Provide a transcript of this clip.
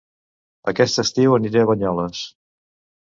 Aquest estiu aniré a Banyoles